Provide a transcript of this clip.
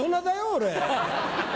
俺。